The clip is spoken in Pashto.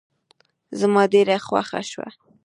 زما ډېره خوښه شوه.